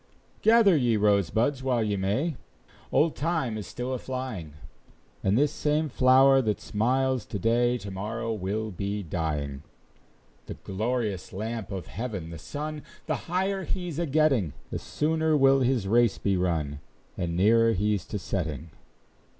Gather ye rosebuds while ye may, Old Time is still a flying; And this same flower that smiles to day, To morrow will be dying. The glorious lamp of heaven, the sun, The higher he's a getting, The sooner will his race be run, And nearer he's to setting.